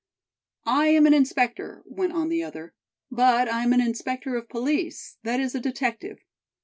"I am an inspector," went on the other, "but I am an inspector of police, that is, a detective.